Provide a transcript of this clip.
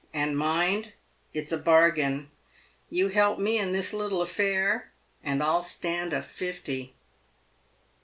And mind, it's a bargain. Tou help me in this little affair, and I'll stand a fifty."